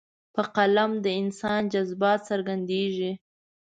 په قلم د انسان جذبات څرګندېږي.